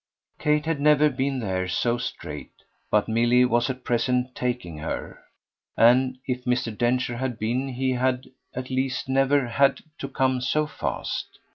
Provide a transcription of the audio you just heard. Kate had never been there so straight, but Milly was at present taking her; and if Mr. Densher had been he had at least never had to come so fast.